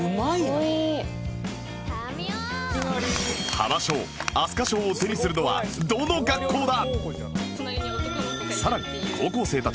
ハマ賞アスカ賞を手にするのはどの学校だ？